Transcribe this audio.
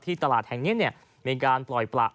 ที่ตลาดแห่งนี้เนี่ยมีการปล่อยประ